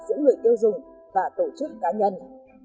giữa người tiêu dùng và tổ chức cá nhân